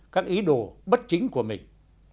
các ý đồ bất chính của mình